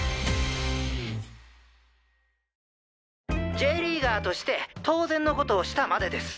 Ｊリーガーとして当然のことをしたまでです。